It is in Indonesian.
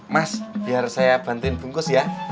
mas biar saya bantuin bungkus ya